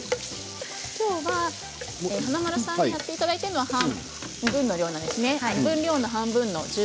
華丸さんにやっていただいてるのは半分の量なんですね。